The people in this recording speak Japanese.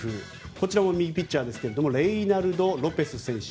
こちらも右ピッチャーですがレイナルド・ロペス選手。